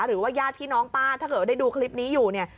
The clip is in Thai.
หรือว่าญาติพี่น้องป้าถ้าเกิดว่าได้ดูคลิปนี้อยู่เนี่ย